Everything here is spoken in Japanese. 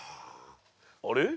あれ？